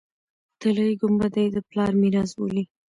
طلایي ګنبده یې د پلار میراث بولي.